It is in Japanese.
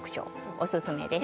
おすすめです。